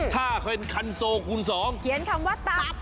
ถ้าเป็นคันโซคูณสองเขียนคำว่าตับ